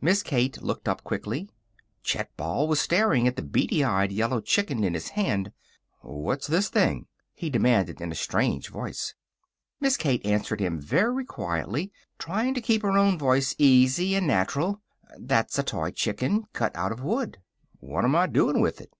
Miss Kate looked up, quickly. Chet Ball was staring at the beady eyed yellow chicken in his hand. "What's this thing?" he demanded in a strange voice. Miss Kate answered him very quietly, trying to keep her own voice easy and natural. "That's a toy chicken, cut out of wood." "What'm I doin' with it?"